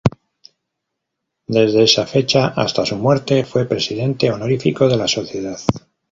Desde esa fecha hasta su muerte fue presidente honorífico de la sociedad.